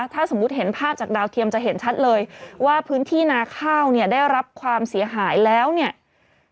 ถ้าสมมุติเห็นภาพจากดาวเทียมจะเห็นชัดเลยว่าพื้นที่นาข้าวเนี่ยได้รับความเสียหายแล้วเนี่ย